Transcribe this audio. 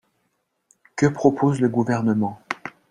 Que propose le Gouvernement?